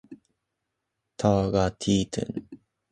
ｔｒｇｔｙｔｎ